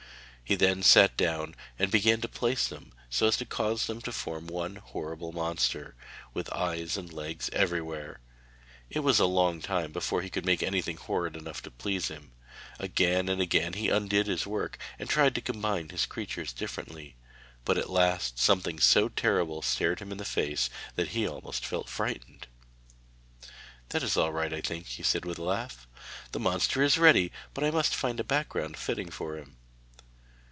He then sat down and began to place them so as to cause them to form one horrible monster, with eyes and legs everywhere. It was a long time before he could make anything horrid enough to please him; again and again he undid his work, and tried to combine his creatures differently, but at last something so terrible stared him in the face that he almost felt frightened. 'That is all right, I think,' he said with a laugh. 'The monster is ready, but I must find a background fitting for him.'